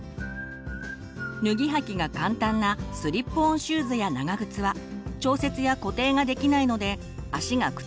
脱ぎ履きが簡単なスリップオンシューズや長靴は調節や固定ができないので足が靴の中で動いてしまいます。